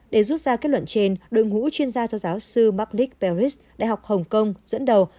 để rút ra kết luận trên đội ngũ chuyên gia do giáo sư mark nick ferris đại học hồng kông dẫn đầu